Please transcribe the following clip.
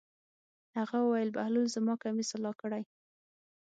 هغه وویل: بهلول زما کمیس غلا کړی دی.